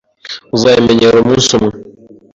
Uzabimenyera umunsi umwe.